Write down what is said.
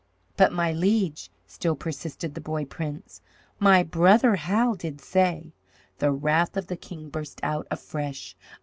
"But, my liege," still persisted the boy prince, "my brother Hal did say " The wrath of the King burst out afresh.